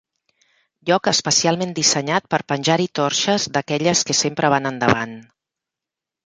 Lloc especialment dissenyat per penjar-hi torxes d'aquelles que sempre van endavant.